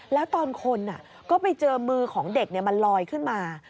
แล้วตอนคนก็ไปเจอมือของเด็กมันลอยขึ้นมา